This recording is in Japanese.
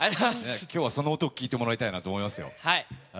今日その音を聞いてもらいたいと思います。